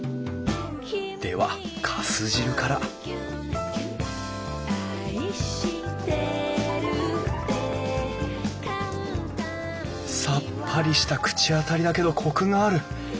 ではかす汁からさっぱりした口当たりだけどコクがある。